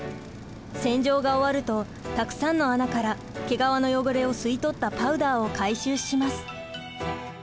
洗浄が終わるとたくさんの穴から毛皮の汚れを吸い取ったパウダーを回収します。